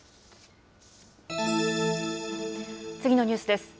次のニュースです。